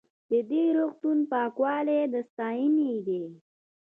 د دې روغتون پاکوالی د ستاینې دی.